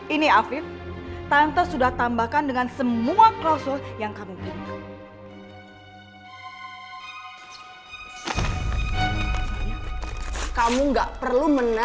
ini afif tante sudah tambahkan dengan semua klausul yang kami punya